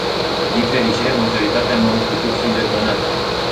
Din fericire, majoritatea nu au putut fi detonate.